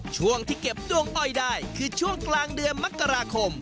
ช่วงที่เก็บดวงอ้อยได้คือช่วงกลางเดือนมกราคม